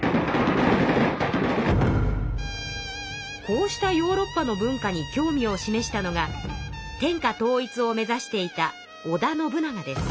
こうしたヨーロッパの文化に興味を示したのが天下統一を目指していた織田信長です。